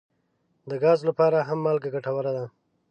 د ګازو لپاره هم مالګه ګټوره ده.